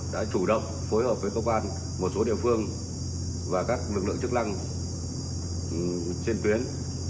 đã chủ động phối hợp với công an một số địa phương và các lực lượng chức năng trên tuyến